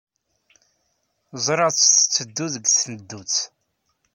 Ẓriɣ-tt tetteddu deg tneddut.